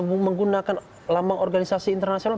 menggunakan lambang organisasi internasional